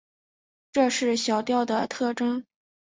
这是小调的特征。